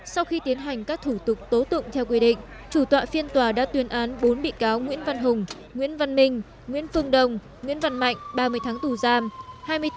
sau khi tiến hành các thủ tục tố tụng theo quy định chủ tọa phiên tòa đã tuyên án bốn bị cáo nguyễn văn hùng nguyễn văn minh nguyễn phương đồng nguyễn văn mạnh ba mươi tháng tù giam